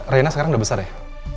reina sekarang udah besar ya